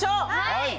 はい！